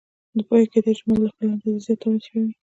یا کېدای شي مال له خپلې اندازې زیات تولید شوی وي